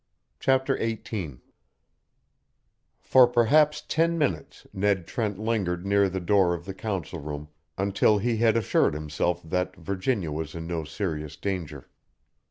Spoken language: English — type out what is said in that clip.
Chapter Eighteen For perhaps ten minutes Ned Trent lingered near the door of the Council Room until he had assured himself that Virginia was in no serious danger.